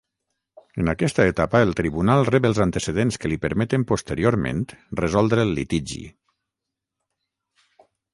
En aquesta etapa el tribunal rep els antecedents que li permeten posteriorment resoldre el litigi.